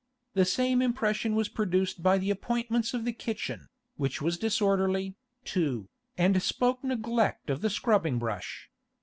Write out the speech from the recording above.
The same impression was produced by the appointments of the kitchen, which was disorderly, too, and spoke neglect of the scrubbing brush.